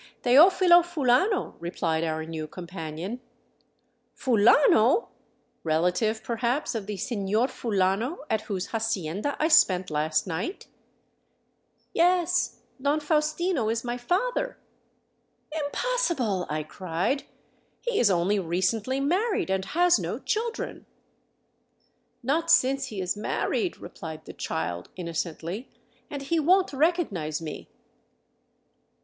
" Teofilo Fulano," replied our new companion. " Fulano ! Relative, perhaps, of the Seiior Fulano at whose hacienda I spent last night ?"" Yes ; Don Faustino is my father." " Impossible !" I cried. '* He is only recently married and has no children." " Not since he is married," replied the child, innocently, " and he won't recognize me."